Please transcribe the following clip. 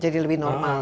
jadi lebih normal